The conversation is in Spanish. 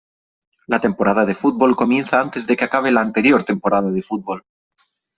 La temporada de fútbol comienza antes de que acabe la anterior temporada de fútbol.